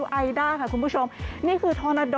ส่วนในระยะนี้หลายพื้นที่ยังคงพบเจอฝนตกหนักได้ค่ะ